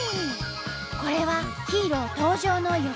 これはヒーロー登場の予感！